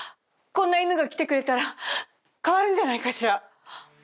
こんな犬が来てくれたら変わるんじゃないかしら。